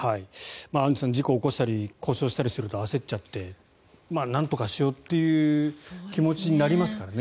アンジュさん事故を起こしたり故障したりすると焦っちゃってなんとかしようという気持ちになりますからね。